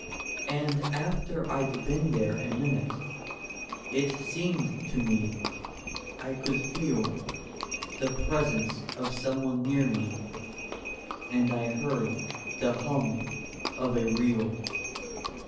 And after I'd been there a minute it seemed to me I could feel The presence of someone near me, and I heard the hum of a reel.